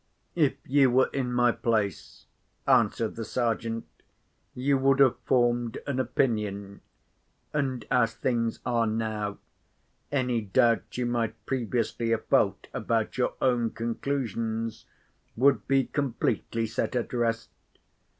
"If you were in my place," answered the Sergeant, "you would have formed an opinion—and, as things are now, any doubt you might previously have felt about your own conclusions would be completely set at rest.